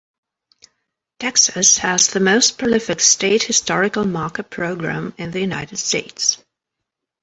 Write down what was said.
Texas has the most prolific state historical marker program in the United States.